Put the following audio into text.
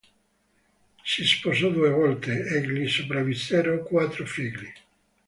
Si sposò due volte, e gli sopravvissero quattro figli.